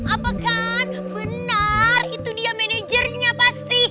apakan benar itu dia manajernya pasti